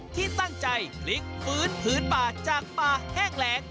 ที่ตั้งใจพลิกฟื้นผืนป่าจากป่าแห้งแรง